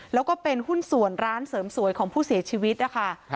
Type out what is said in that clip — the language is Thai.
แล้วก็เป็นหุ้นส่วนร้านเสริมสวยของผู้เสียชีวิตนะคะ